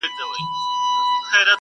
وڅڅوي اوښکي اور تر تلي کړي!